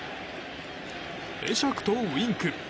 会釈とウィンク。